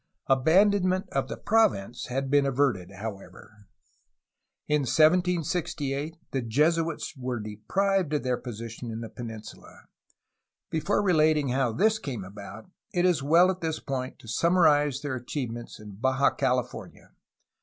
Abandonment of the province had been averted, however. In 1768 the Jesuits were deprived of their position in the peninsula. Before relating how this came about, it is well at this point to summarize their achievements in Baja Cali fornia.